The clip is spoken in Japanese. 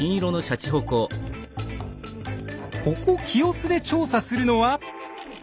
ここ清須で調査するのは。